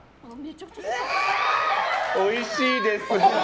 おいしいです。